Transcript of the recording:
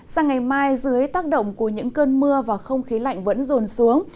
sáng ngày mai dưới tác động của những cơn mưa và không khí lạnh vẫn dồn xuống